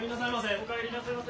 お帰りなさいませ。